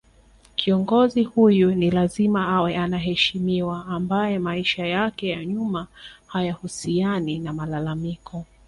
Kiongozi huyu ni lazima awe anaheshimiwa ambaye maisha yake ya nyuma hayahusiani na malalamiko